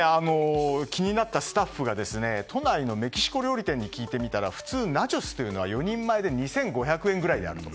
気になったスタッフが都内のメキシコ料理店に聞いてみたら普通ナチョスというのは４人前で２５００円ぐらいであると。